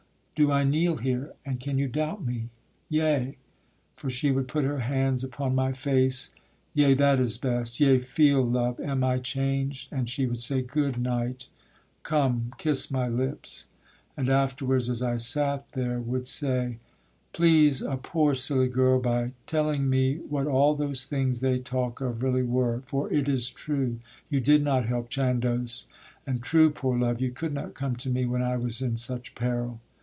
Do I kneel here, and can you doubt me? Yea: For she would put her hands upon my face: Yea, that is best, yea feel, love, am I changed? And she would say: Good knight, come, kiss my lips! And afterwards as I sat there would say: Please a poor silly girl by telling me What all those things they talk of really were, For it is true you did not help Chandos, And true, poor love! you could not come to me When I was in such peril.